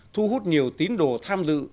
thu hút nhiều tín đồ tham dự